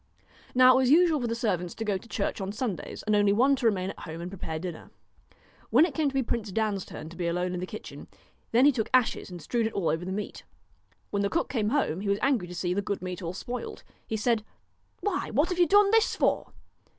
Now it was usual for the servants to go to church on Sundays, and one only to remain at home and prepare dinner. When it came to Prince Dan's turn to be alone in the kitchen, then he took ashes and strewed it over all the meat. When the cook came home he was angry to see the good meat all spoiled. He said :' Why, what have you done this for